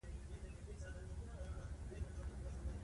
دا ماته عجیبه وه ځکه نور تش کورونه هم شته